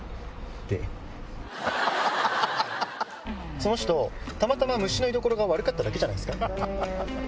その人たまたま虫の居所が悪かっただけじゃないですか？